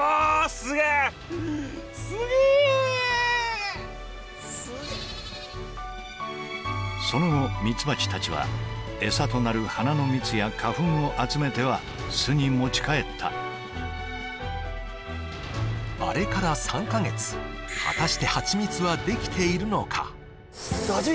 すげえっその後ミツバチたちは餌となる花の蜜や花粉を集めては巣に持ち帰ったあれから３か月できているのか？